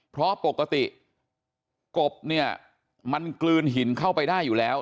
เพราะปกติกบเนี่ยมันกลืนหินเข้าไปได้อยู่แล้ว